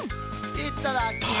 いっただっきます。